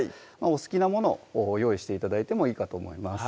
お好きなものを用意して頂いてもいいかと思います